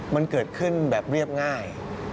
มันเกิดขึ้นแบบเรียบง่าย